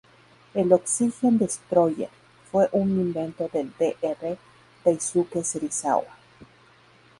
El Oxygen Destroyer fue un invento del Dr. "Daisuke Serizawa".